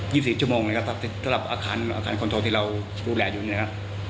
ี่สิบสี่ชั่วโมงนะครับสำหรับอาคารอาคารคอนโทรที่เราดูแลอยู่เนี่ยครับ